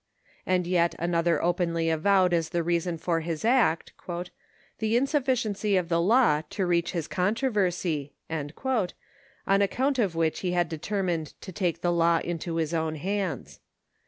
And yet another openly avowed as the reason for his act, " the insuf ficiency of the law to reach his controversy," on account of which he had determined " to take the law into his own hands."